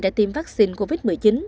có thể tiêm vaccine covid một mươi chín